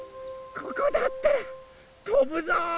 ここだったらとぶぞ！